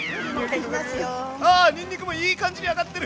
あにんにくもいい感じに揚がってる！